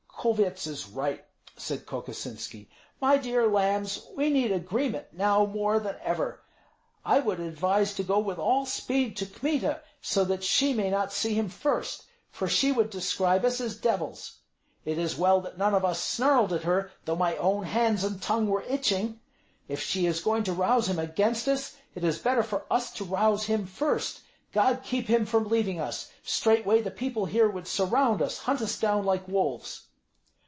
"Kulvyets is right," said Kokosinski. "My dear lambs, we need agreement now more than ever. I would advise to go with all speed to Kmita, so that she may not see him first, for she would describe us as devils. It is well that none of us snarled at her, though my own hands and tongue were itching. If she is going to rouse him against us, it is better for us to rouse him first. God keep him from leaving us! Straightway the people here would surround us, hunt us down like wolves."